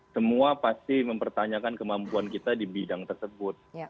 semua pasti mempertanyakan kemampuan kita di bidang tersebut